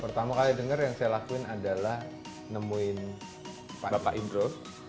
pertama kali dengar yang saya lakuin adalah nemuin bapak indro